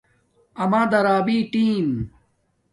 اَمݳ درݳبݵنݵئ ٹݵمݵئ.